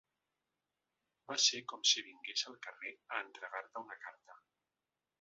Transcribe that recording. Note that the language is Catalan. Va ser com si vingués el carter a entregar-te una carta.